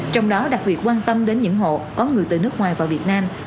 trong đó đặc biệt quan tâm đến những hộ có người từ nước ngoài vào việt nam